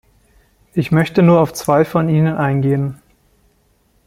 Ich möchte nur auf zwei von ihnen eingehen.